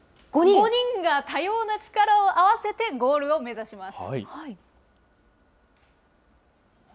５人が多様な力を合わせてゴールを目指します。